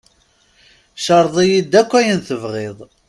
Ceṛḍ-iyi-d akk ayen tebɣiḍ!